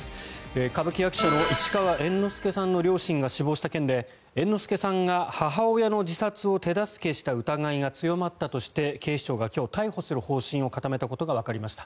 歌舞伎役者の市川猿之助さんの両親が死亡した件で猿之助さんが母親の自殺を手助けした疑いが強まったとして警視庁が今日、逮捕する方針を固めたことがわかりました。